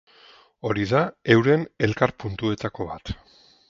Hori da heuren elkar-puntuetako bat.